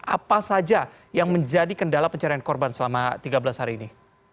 apa saja yang menjadi kendala pencarian korban selama tiga belas hari ini